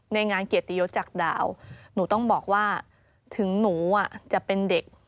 ในงานเกียรติยศจากดาวหนูต้องบอกว่าถึงหนูจะเป็นเด็ก